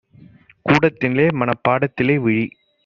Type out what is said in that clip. கூடத்திலே மனப் பாடத்திலே - விழி